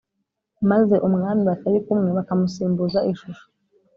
maze umwami batari kumwe, bakamusimbuza ishusho,